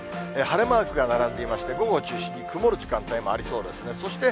晴れマークが並んでいまして、午後中心に曇る時間帯もありそうですね。